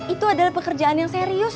itu adalah pekerjaan yang serius